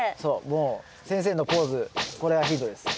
もう先生のポーズこれがヒントです。